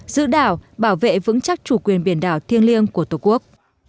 giữ đảo bảo vệ vững chắc chủ quyền biển đảo thiêng liêng của tổ quốc